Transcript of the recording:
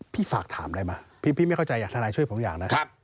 พี่ฝากถามได้ไหมพี่ไม่เข้าใจอยากทางนายช่วยผมอย่างนะ